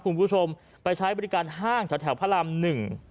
คุณผู้ชมไปใช้บริการห้างแถวแถวพระรามหนึ่ง